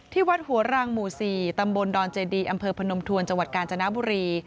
วัดหัวรังหมู่๔ตำบลดอนเจดีอำเภอพนมทวนจังหวัดกาญจนบุรี